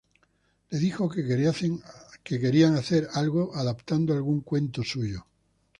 Le dijo que querían hacer algo adaptando algún cuento suyo.